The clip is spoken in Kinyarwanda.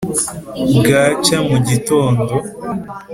bwacya mu gitondo